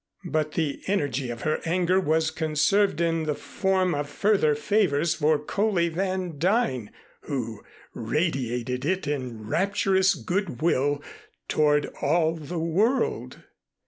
But the energy of her anger was conserved in the form of further favors for Coley Van Duyn who radiated it in rapturous good will toward all the world.